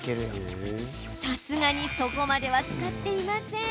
さすがに、そこまでは使っていません。